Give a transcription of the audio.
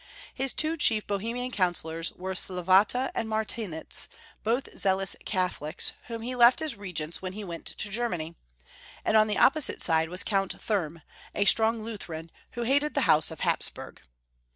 His two chief Bohemian counsellers were Slavata and Martinitz, both zealous Catholics, whom he left as regents when he went to Germany ; and on the opposite side was Count Thurm, a strong Lu theran, who hated the House of Hapsburg.